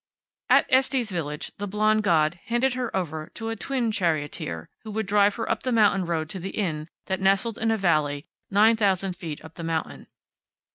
At Estes village the blond god handed her over to a twin charioteer who would drive her up the mountain road to the Inn that nestled in a valley nine thousand feet up the mountain.